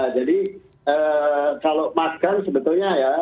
jadi kalau makan sebetulnya ya